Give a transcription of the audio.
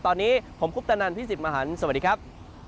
ตอนนี้ผมคุปตะนันพี่สิทธิมหันฯสวัสดีครับ